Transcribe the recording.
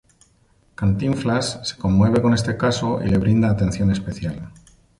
Cantinflas se conmueve con este caso y le brinda atención especial.